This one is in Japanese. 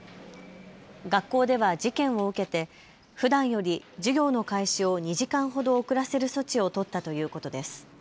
学校では事件を受けてふだんより授業の開始を２時間ほど遅らせる措置を取ったということです。